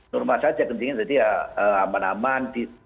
normal saja kencingnya jadi ya aman aman